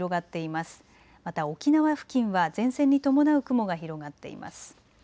また沖縄付近は前線に伴う雲が広がっています。